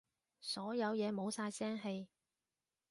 所有嘢冇晒聲氣